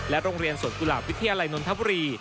โรงเรียนสวนกุหลาบวิทยาลัยนนทบุรี